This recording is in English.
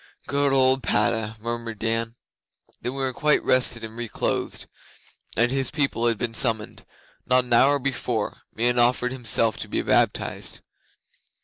'Good old Padda!' murmured Dan. 'When we were quite rested and re clothed, and his people had been summoned not an hour before Meon offered himself to be baptized.